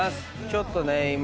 ちょっとね今。